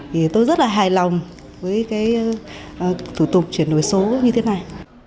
thì tôi rất là hài lòng với cái thủ tục chuyển đổi số như thế này